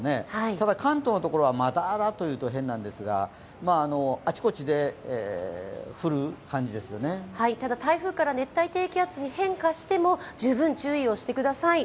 ただ、関東のところはまだらと言うと変なんですが、ただ台風から熱帯低気圧に変化しても十分注意してください。